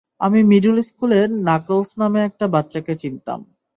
আমি মিডল স্কুলে নাকলস নামে একটা বাচ্চাকে চিনতাম।